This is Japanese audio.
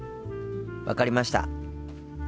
分かりました。